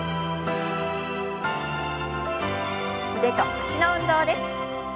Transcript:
腕と脚の運動です。